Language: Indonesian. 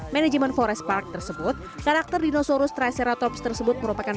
manajemen forest park tersebut karakter dinosourus triceratops tersebut merupakan